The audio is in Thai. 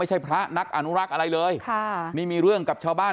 พระนักอนุรักษ์อะไรเลยค่ะนี่มีเรื่องกับชาวบ้าน